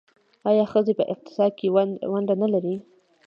آیا ښځې په اقتصاد کې ونډه نلري؟